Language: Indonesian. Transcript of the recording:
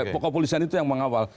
pokok polisian itu yang mengawal